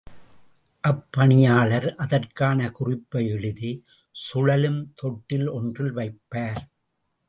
அப்பணியாளர் அதற்கான குறிப்பை எழுதி, சுழலும் தொட்டில் ஒன்றில் வைப்பார்.